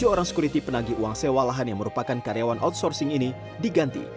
tujuh orang sekuriti penagi uang sewa lahan yang merupakan karyawan outsourcing ini diganti